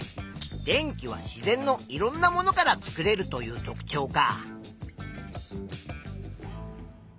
電気は自然のいろんなものから作れるという特ちょうか。